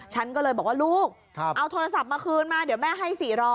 ฉันก็เลยบอกว่าลูกเอาโทรศัพท์มาคืนมาเดี๋ยวแม่ให้๔๐๐